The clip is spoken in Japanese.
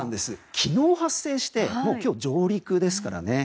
昨日発生してもう今日上陸ですからね。